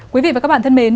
quý vị và các bạn thân mến